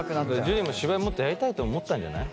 樹も芝居もっとやりたいと思ったんじゃない？